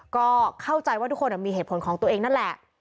ก็เข้าใจว่าทุกคนมีเหตุผลของตัวเองนั่นแหละ